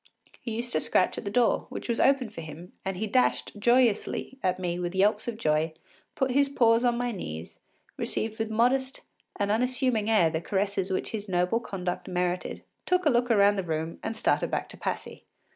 He used to scratch at the door, which was opened for him, and he dashed joyously at me with yelps of joy, put his paws on my knees, received with a modest and unassuming air the caresses his noble conduct merited, took a look round the room, and started back to Passy.